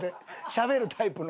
しゃべるタイプの。